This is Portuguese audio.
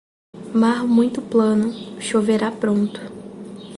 Mar muito plano, choverá pronto.